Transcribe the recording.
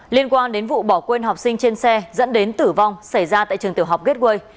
liên quan đến vụ bỏ quên học sinh trên xe dẫn đến tử vong xảy ra tại trường tiểu học gateway